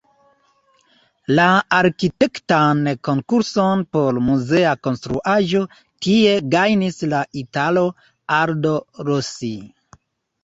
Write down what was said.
La arkitektan konkurson por muzea konstruaĵo tie gajnis la italo "Aldo Rossi".